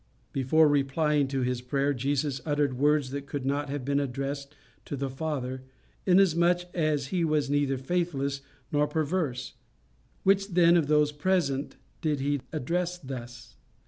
Before replying to his prayer, Jesus uttered words that could not have been addressed to the father, inasmuch as he was neither faithless nor perverse. Which then of those present did he address thus?